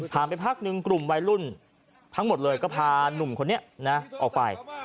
ไปพักหนึ่งกลุ่มวัยรุ่นทั้งหมดเลยก็พาหนุ่มคนนี้นะออกไป